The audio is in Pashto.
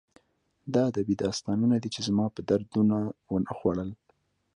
دا ادبي داستانونه دي چې زما په درد ونه خوړل